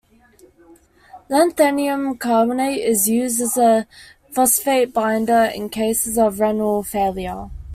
Lanthanum carbonate is used as a phosphate binder in cases of renal failure.